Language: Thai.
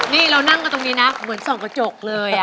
นี่เรานั่งกันตรงนี้นะเหมือนส่องกระจกเลย